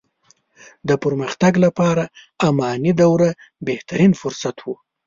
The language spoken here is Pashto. د پرمختګ لپاره اماني دوره بهترين فرصت وو.